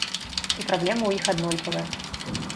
І праблемы ў іх аднолькавыя.